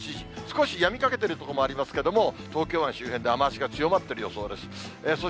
少しやみかけている所もありますけれども、東京湾周辺で雨足が強まっている予想です。